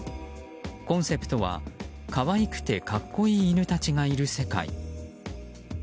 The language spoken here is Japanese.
コンセプトは可愛くて格好いい犬たちがいる世界。